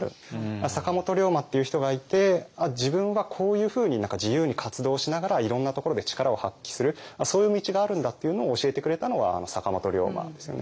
坂本龍馬っていう人がいて「あっ自分はこういうふうに自由に活動しながらいろんなところで力を発揮するそういう道があるんだ」っていうのを教えてくれたのは坂本龍馬ですよね。